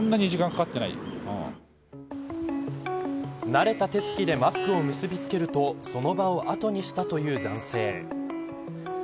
慣れた手つきでマスクを結びつけるとその場を後にしたという男性。